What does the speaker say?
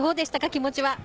気持ちは。